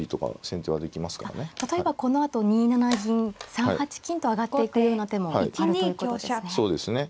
例えばこのあと２七銀３八金と上がっていくような手もあるということですね。